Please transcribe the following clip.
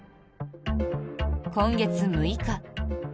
今月６日。